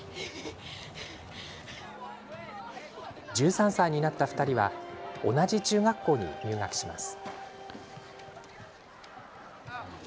１３歳になった２人は同じ中学校に入学します。